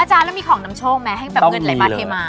แล้วมีของนำโชคไหมให้แบบเงินไหลมาเทมา